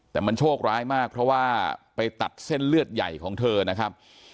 แต่มันโชคร้ายมากเพราะว่าไปตัดเส้นเลือดใหญ่ของเธอนะครับ